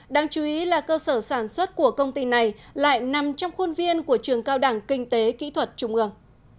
đáng chú ý là cơ sở sản xuất của công ty này lại nằm trong khuôn viên của trường cao đẳng kinh tế kỹ thuật trung ương